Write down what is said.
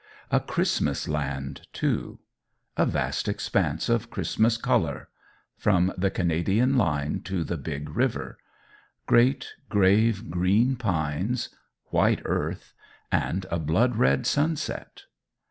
A Christmas land, too: a vast expanse of Christmas colour, from the Canadian line to the Big River great, grave, green pines, white earth and a blood red sunset!